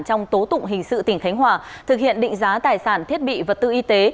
trong tố tụng hình sự tỉnh khánh hòa thực hiện định giá tài sản thiết bị vật tư y tế